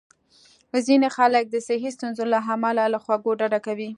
ځینې خلک د صحي ستونزو له امله له خوږو ډډه کوي.